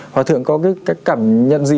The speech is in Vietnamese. hòa thượng có cái cảm nhận gì